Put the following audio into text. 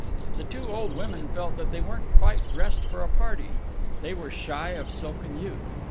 The two old women felt that they weren't quite dressed for a party; they were shy of silken youth.